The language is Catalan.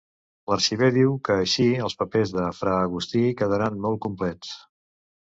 L'arxiver diu que així els papers de fra Agustí quedaran molt complets.